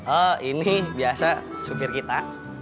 oh ini biasa supir kita